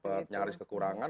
oksigen sempat nyaris kekurangan